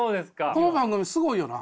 この番組すごいよな。